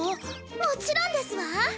もちろんですわ。